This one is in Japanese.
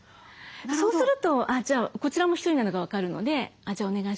そうするとこちらも１人なのが分かるので「じゃあお願いします。